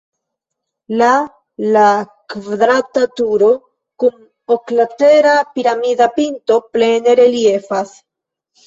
La la kvadrata turo kun oklatera piramida pinto plene reliefas.